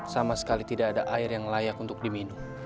sama sekali tidak ada air yang layak untuk diminum